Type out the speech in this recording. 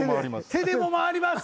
手でも回ります！